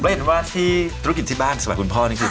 เรียนว่าธุรกิจที่บ้านสมัครคุณพ่อนี่